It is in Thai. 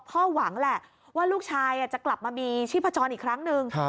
หวังแหละว่าลูกชายจะกลับมามีชีพจรอีกครั้งหนึ่ง